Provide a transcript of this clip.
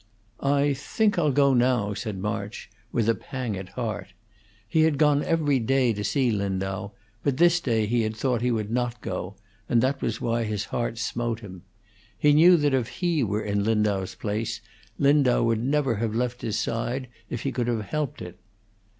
"I think I'll go now," said March, with a pang at heart. He had gone every day to see Lindau, but this day he had thought he would not go, and that was why his heart smote him. He knew that if he were in Lindau's place Lindau would never have left his side if he could have helped it.